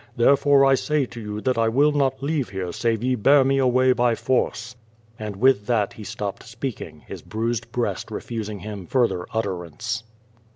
Therefore, I say to you tliat I will not leave here save ye bear me away by force." And with that he stopped speaking, his bruised breast refusing him further utterance.